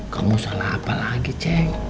kamu salah apa lagi cek